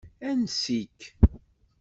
Ansi-k.